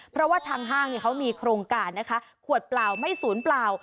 เพราะว่าทางห้างเขามีโครงการนะคะขวดเปล่าไม่ศูนย์เปล่า